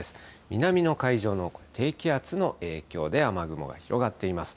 南の海上の低気圧の影響で、雨雲が広がっています。